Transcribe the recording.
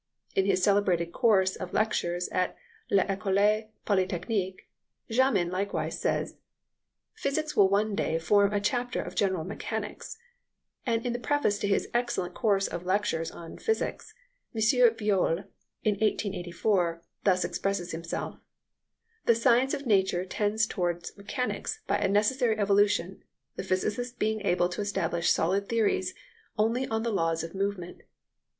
In his celebrated course of lectures at l'École Polytechnique, Jamin likewise said: "Physics will one day form a chapter of general mechanics;" and in the preface to his excellent course of lectures on physics, M. Violle, in 1884, thus expresses himself: "The science of nature tends towards mechanics by a necessary evolution, the physicist being able to establish solid theories only on the laws of movement."